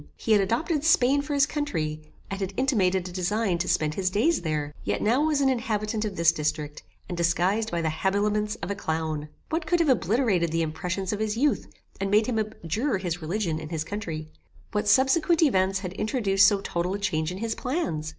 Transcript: He had adopted Spain for his country, and had intimated a design to spend his days there, yet now was an inhabitant of this district, and disguised by the habiliments of a clown! What could have obliterated the impressions of his youth, and made him abjure his religion and his country? What subsequent events had introduced so total a change in his plans?